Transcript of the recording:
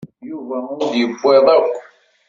Yuba ur d-yewwiḍ akk.